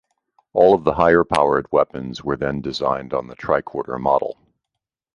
All of the higher-powered weapons were then designed on the tricorder model.